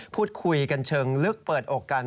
พูดคุยกันเชิงลึกเปิดอกกัน